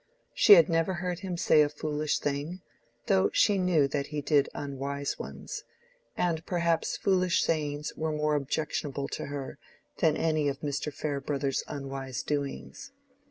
She had never heard him say a foolish thing, though she knew that he did unwise ones; and perhaps foolish sayings were more objectionable to her than any of Mr. Farebrother's unwise doings.